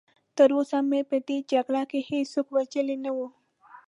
تراوسه مې په دې جګړه کې هېڅوک وژلی نه و.